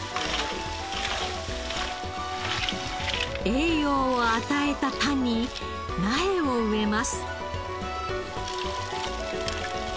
栄養を与えた田に苗を植えます。